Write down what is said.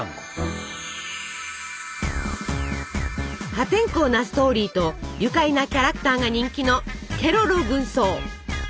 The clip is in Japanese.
破天荒なストーリーと愉快なキャラクターが人気の「ケロロ軍曹」！